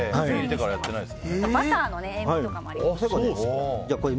バターの塩みとかもあります。